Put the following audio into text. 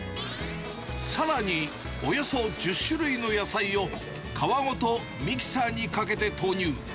さらにおよそ１０種類の野菜を皮ごとミキサーにかけて投入。